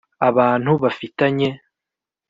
abantu bafitanye